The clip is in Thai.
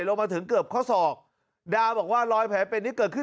ลงมาถึงเกือบข้อศอกดาวบอกว่ารอยแผลเป็นที่เกิดขึ้น